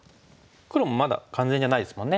黒もまだ完全じゃないですもんね。